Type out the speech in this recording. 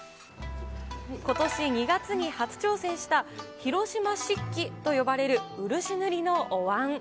ことし２月に初挑戦した、広島漆器と呼ばれる漆塗りのおわん。